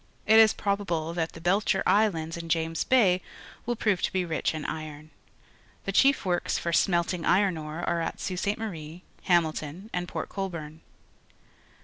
It is probable that the Belcher Islands in James Bay will prove to be rich in iron. The chief works for smelting iron ore are at Saiilt Ste. Marie, Hamilton, and Port Colborne.